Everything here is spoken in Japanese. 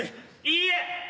いいえ！